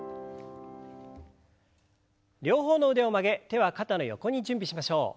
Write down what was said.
両方の腕を曲げ手は肩の横に準備しましょう。